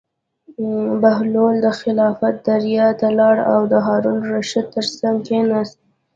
بهلول د خلافت دربار ته لاړ او د هارون الرشید تر څنګ کېناست.